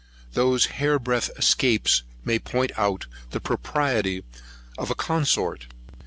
Those hair breadth escapes may point out the propriety of a consort.